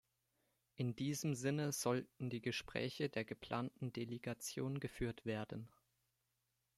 In diesem Sinne sollten die Gespräche der geplanten Delegation geführt werden.